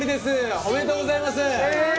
おめでとうございます。